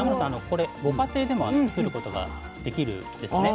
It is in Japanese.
これご家庭でも作ることができるんですね。